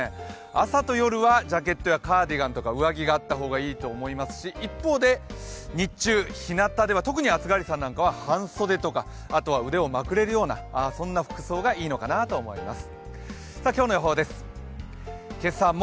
朝と夜はジャケットやカーディガンとか上着があった方がいいと思いますし、一方で、日中ひなたでは特に暑がりさんなどは半袖とかあとは、腕をまくれるようなそんな服装がいいのかなと思います。